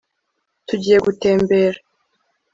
Tugiye gutembera